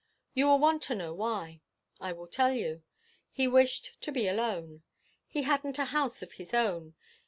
You will want to know why. I will tell you. He wished to be alone. He hadn't a house of his own.